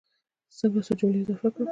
څنګه څو جملې اضافه کړم.